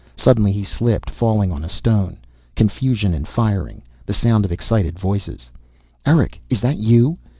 Suddenly he slipped, falling on a stone. Confusion and firing. The sound of excited voices. "Erick, is that you?"